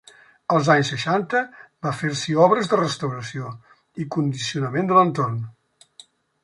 Els anys seixanta va fer-s'hi obres de restauració i condicionament de l'entorn.